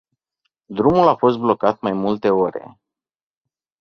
Drumul a fost blocat mai multe ore.